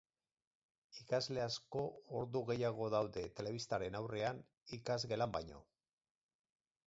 Ikasle asko ordu gehiago daude telebistaren aurrean ikasgelan baino.